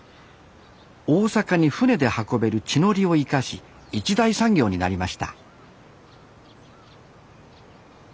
大阪に船で運べる地の利を生かし一大産業になりました